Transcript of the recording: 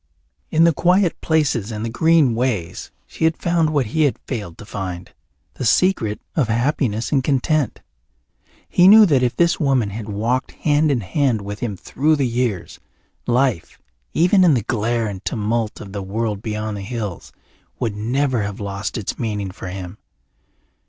In the quiet places and the green ways she had found what he had failed to find the secret of happiness and content. He knew that if this woman had walked hand in hand with him through the years, life, even in the glare and tumult of that world beyond the hills, would never have lost its meaning for him.